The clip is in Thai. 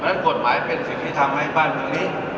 เพราะฉะนั้นกฎหมายเป็นศิษย์ที่ทำให้บ้านมือนี้